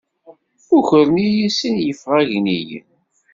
Ukren-iyi sin n yefɣagniyen.